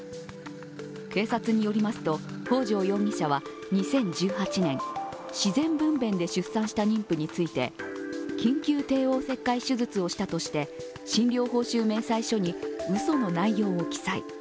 警察によりますと、北條容疑者は２０１８年、自然分べんで出産した妊婦について緊急帝王切開手術をしたとして診療報酬明細書にうその内容を記載。